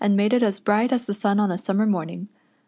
made it as bright as the sun on a summer morning.